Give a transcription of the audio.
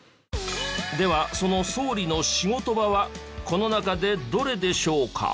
ではその総理の仕事場はこの中でどれでしょうか？